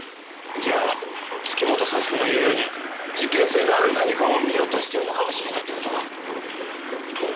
じゃあ月本幸子の言うように事件性のある何かを見落としてるのかもしれないって事か？